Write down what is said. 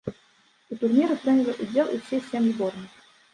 У турніры прынялі ўдзел усе сем зборных.